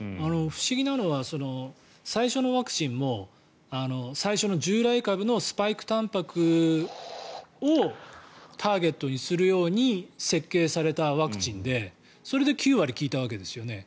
不思議なのは最初のワクチンも最初の従来株のスパイクたんぱくをターゲットにするように設計されたワクチンでそれで９割効いたわけですよね。